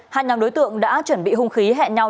hai nhóm đối tượng đã chuẩn bị hung khí hẹn nhau